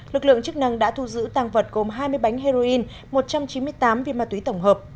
lực lượng chức năng đã thu giữ tàng vật gồm hai mươi bánh heroin một trăm chín mươi tám viên ma túy tổng hợp